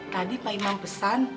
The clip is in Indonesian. tadi pak imam pesan